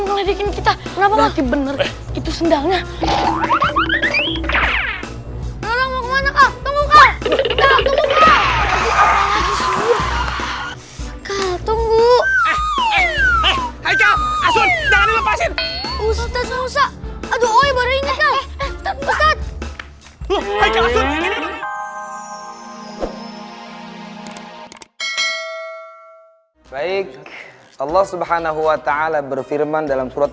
hai hai hai hai hai hai hai hai hai hai allah subhanahu wa ta'ala berfirman dalam surat